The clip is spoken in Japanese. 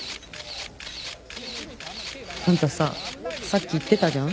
あんたささっき言ってたじゃん。